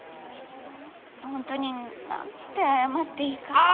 ホントに何て謝っていいか。